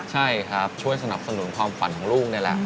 ใช่ครับช่วยสนับสนุนความฝันของลูกนี่แหละ